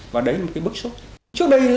và đấy là một cái bức xúc